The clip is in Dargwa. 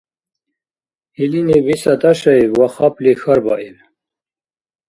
Илини биса тӀашаиб ва хапли хьарбаиб: